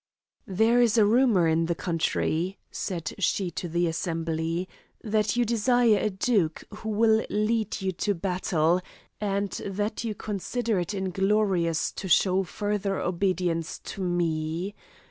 "There is a rumour in the country," said she to the assembly, "that you desire a duke, who will lead you to battle, and that you consider it inglorious to show further obedience to me.